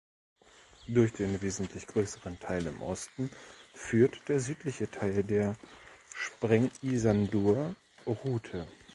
Durch den wesentlich größeren Teil im Osten führt der südliche Teil der Sprengisandur-Route.